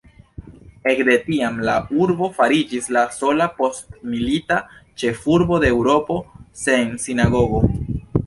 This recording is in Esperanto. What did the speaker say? Ekde tiam, la urbo fariĝis la sola postmilita ĉefurbo de Eŭropo sen sinagogo.